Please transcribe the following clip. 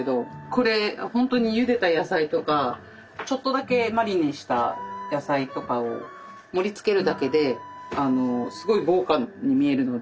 これ本当にゆでた野菜とかちょっとだけマリネした野菜とかを盛りつけるだけですごい豪華に見えるので。